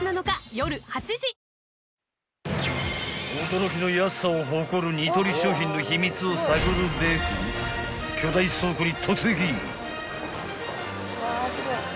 ［驚きの安さを誇るニトリ商品の秘密を探るべく巨大倉庫に］